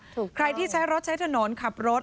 ถูกต้องใครที่ใช้รถใช้ถนนขับรถ